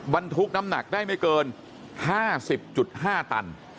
บรรทุกน้ำหนักได้ไม่เกิน๕๐๕ตัน